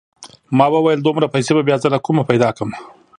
ما وويل دومره پيسې به بيا زه له کومه پيدا کم.